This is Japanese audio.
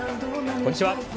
こんにちは。